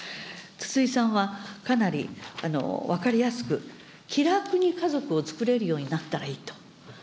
筒井さんは、かなり分かりやすく、気楽に家族をつくれるようになったらいいと。